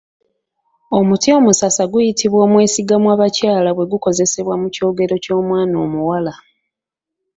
Omuti omusasa guyitibwa omwesigamwabakyala bwegukozesebwa mu kyogero ky’omwana omuwala.